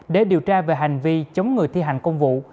để điều tra về hành vi chống người thi hành công vụ